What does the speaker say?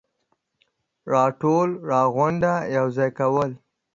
راټول ، راغونډ ، يوځاي کول,